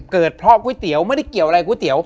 เกิดเพราะก๋วยเตี๋ยวไม่ได้เกี่ยวอะไรก๋วยเตี๋ยว